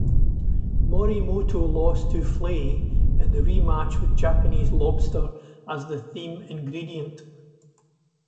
Morimoto lost to Flay in the re-match with Japanese lobster as the theme ingredient.